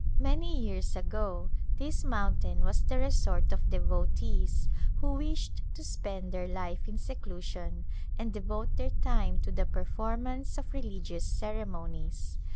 Many years ago this mountain was the resort of devotees who wished to spend their life in seclusion and devote their time to the performance of religious ceremonies.